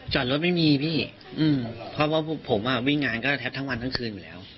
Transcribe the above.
จอดรถไม่มีพี่เพราะว่าผมวิ่งงานก็แทบทั้งวันทั้งคืนอยู่แล้ว